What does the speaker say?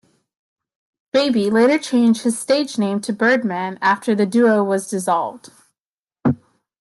Baby later changed his stage name to Birdman after the duo was dissolved.